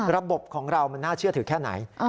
ระบบของเรามันน่าเชื่อถือแค่ไหน